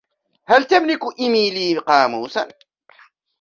هل تملك إيميلي قاموساً ؟